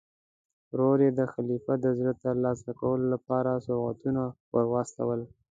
ورور یې د خلیفه د زړه ترلاسه کولو لپاره سوغاتونه ور واستول.